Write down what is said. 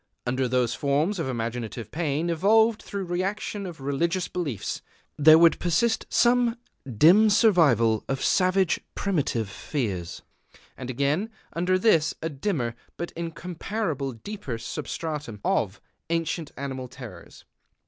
Under those forms of imaginative pain evolved through reaction of religious beliefs, there would persist some dim survival of savage primitive fears, and again, under this, a dimmer but incomparably deeper substratum of ancient animal terrors.